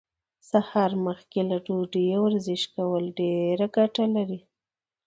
سهار مخکې له ډوډۍ ورزش کول ډيره ګټه لري.